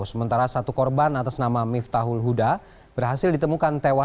sementara satu korban atas nama miftahul huda berhasil ditemukan tewas